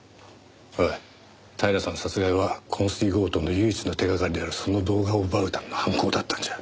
おい平さん殺害は昏睡強盗の唯一の手掛かりであるその動画を奪うための犯行だったんじゃ。